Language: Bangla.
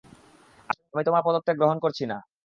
আমি তোমার পদত্যাগ গ্রহণ করছি না!